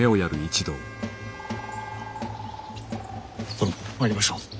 殿参りましょう。